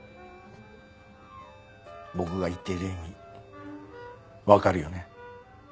僕が言ってる意味分かるよね？